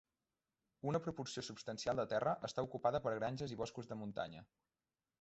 Una proporció substancial de terra està ocupada per granges i boscos de muntanya.